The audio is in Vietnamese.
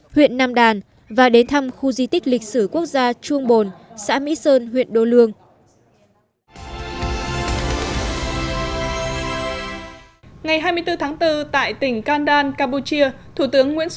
huyện nam đàn và đến thăm khu di tích lịch sử quốc gia chuông bồn xã mỹ sơn huyện đô lương